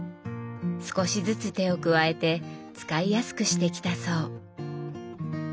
少しずつ手を加えて使いやすくしてきたそう。